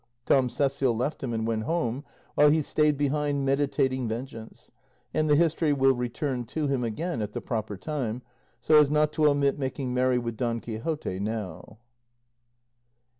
Tom Cecial left him and went home, while he stayed behind meditating vengeance; and the history will return to him again at the proper time, so as not to omit making merry with Don Quixote now.